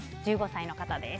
１５歳の方です。